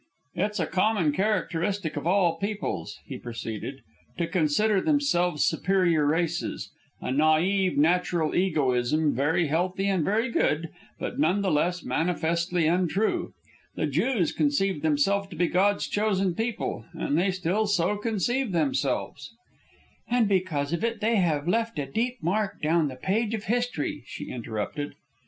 "It's a common characteristic of all peoples," he proceeded, "to consider themselves superior races, a naive, natural egoism, very healthy and very good, but none the less manifestly untrue. The Jews conceived themselves to be God's chosen people, and they still so conceive themselves " "And because of it they have left a deep mark down the page of history," she interrupted.